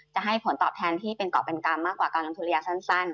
จะให้ผลตอบแทนที่เป็นเกาะเป็นกรรมมากกว่าการลงทุนระยะสั้น